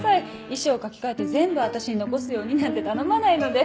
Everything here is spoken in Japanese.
遺書を書き換えて全部私に残すようになんて頼まないので。